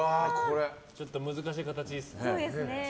ちょっと難しい形ですね。